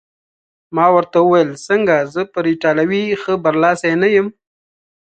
ما ورته وویل: څنګه، زه پر ایټالوي ښه برلاسی نه یم؟